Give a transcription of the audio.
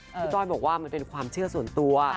ต้อยบอกว่ามันเป็นความเชื่อส่วนตัว